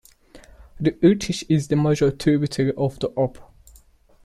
The Irtysh is the major tributary of the Ob.